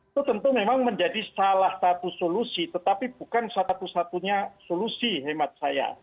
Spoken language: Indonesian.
itu tentu memang menjadi salah satu solusi tetapi bukan satu satunya solusi hemat saya